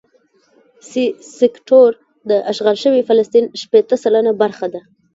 سي سیکټور د اشغال شوي فلسطین شپېته سلنه برخه ده.